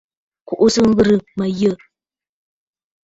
Kùʼùsə ŋghɨrə mə̀ yə̂!